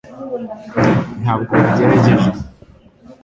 ntabwo wagerageje